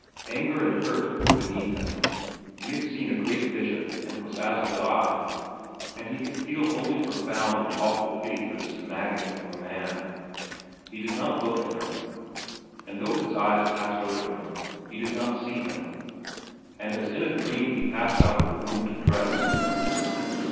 Anger and hurt were beneath him. He had seen a great vision and was as a god, and he could feel only profound and awful pity for this maggot of a man. He did not look at him, and though his eyes passed over him, he did not see him; and as in a dream he passed out of the room to dress.